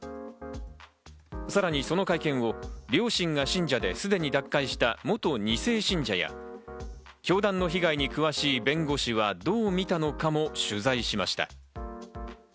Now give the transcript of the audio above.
さらにその会見を両親が信者ですでに脱会した元２世信者や、教団の被害に詳しい弁護士はどう見たのかも取材しました。